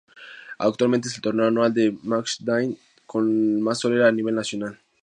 Actualmente es el torneo anual de Machine Dance con más solera a nivel nacional.